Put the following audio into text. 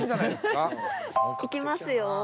いきますよ。